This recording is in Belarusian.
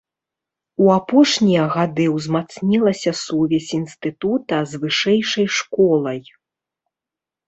У апошнія гады ўзмацнілася сувязь інстытута з вышэйшай школай.